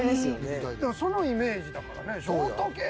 そのイメージだからね。